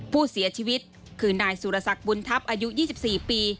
ผู้เสียชีวิตคือนายสุรสักบุญทัพอายุ๒๔ปี